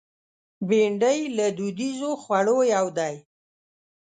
بېنډۍ له دودیزو خوړو یو دی